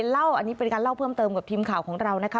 อันนี้เป็นการเล่าเพิ่มเติมกับทีมข่าวของเรานะคะ